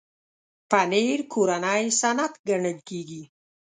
پنېر کورنی صنعت ګڼل کېږي.